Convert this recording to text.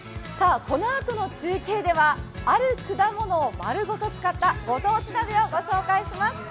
このあとの中継ではある果物を丸ごと使ったご当地鍋をご紹介します。